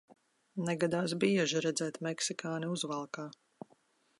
Negadās bieži redzēt meksikāni uzvalkā.